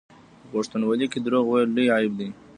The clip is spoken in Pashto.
په پښتونولۍ کې دروغ ویل لوی عیب دی.